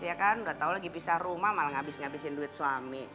ya kan udah tau lagi pisah rumah malah ngabis ngabisin duit suami